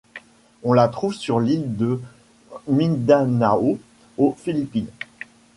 On la trouve sur l'île de Mindanao aux Philippines.